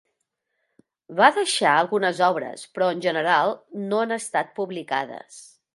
Va deixar algunes obres, però en general no han estat publicades.